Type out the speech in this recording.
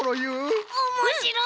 おもしろい！